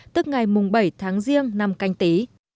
tức ngày mùng bảy tháng riêng năm canh tí